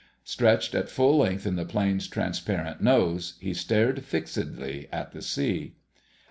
Stretched at full length in the plane's transparent nose, he stared fixedly at the sea.